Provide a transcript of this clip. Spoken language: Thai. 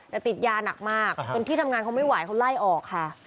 แต่ติดยาหนักมากจนที่ทำงานเขาไม่ไหวเขาไล่ออกค่ะ